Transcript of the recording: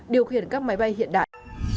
điều khiển các máy bay hiện đại